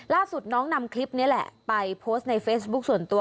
ล่าสุดน้องนำคลิปนี้แหละไปโพสต์ในเฟซบุ๊คส่วนตัว